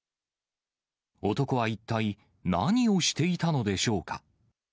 男は一体、何をしていたのでしょうか。